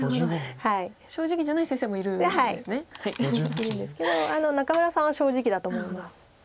いるんですけど仲邑さんは正直だと思います。